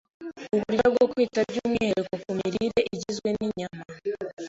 Uburyo bwo kwita by’umwihariko ku mirire igizwe n’inyama